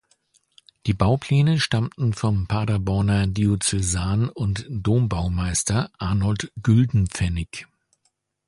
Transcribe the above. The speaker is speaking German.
Die Baupläne stammten vom Paderborner Diözesan- und Dombaumeister Arnold Güldenpfennig.